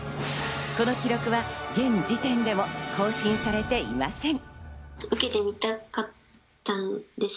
この記録は現時点でも更新されていません。